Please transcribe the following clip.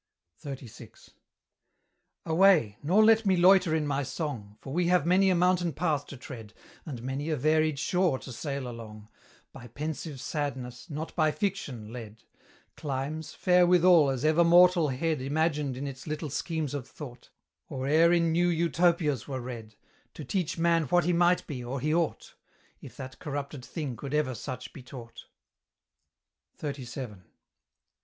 XXXVI. Away! nor let me loiter in my song, For we have many a mountain path to tread, And many a varied shore to sail along, By pensive Sadness, not by Fiction, led Climes, fair withal as ever mortal head Imagined in its little schemes of thought; Or e'er in new Utopias were read: To teach man what he might be, or he ought; If that corrupted thing could ever such be taught. XXXVII.